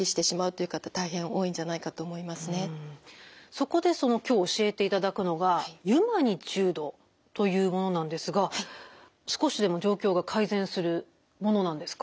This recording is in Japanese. そこでその今日教えていただくのがユマニチュードというものなんですが少しでも状況が改善するものなんですか？